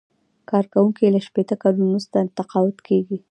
کارکوونکی له شپیته کلونو وروسته تقاعد کیږي.